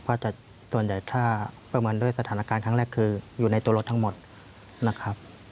เพราะส่วนใหญ่ถ้าประเมินด้วยสถานการณ์ครั้งแรกคืออยู่ในตัวรถทั้งหมดนะครับ